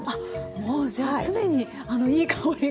もうじゃあ常にいい香りが。